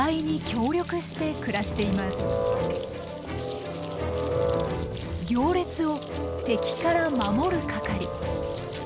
行列を敵から守る係。